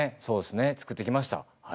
そうっすね作ってきました。